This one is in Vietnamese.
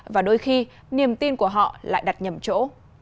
và đôi khi niềm tin của họ lại đặt nhầm chỗ